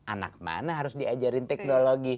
anak mana harus diajarin teknologi